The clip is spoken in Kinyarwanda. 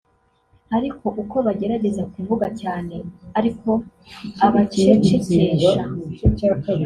ariko uko bagerageza kuvuga cyane ariko abacecekesha